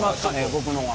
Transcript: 僕のは。